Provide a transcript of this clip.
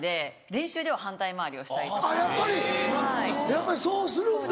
やっぱりそうするんだ。